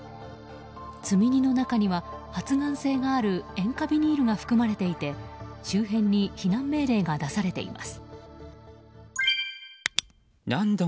積み荷の中には発がん性のある塩化ビニールが含まれていて周辺に避難命令が出されています。